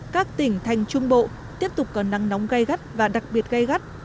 các tỉnh thành trung bộ tiếp tục có nắng nóng gai gắt và đặc biệt gây gắt